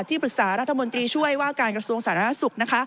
ที่ปรึกษารัฐมนตรีช่วยว่าการกระทรวงสาธารณสุข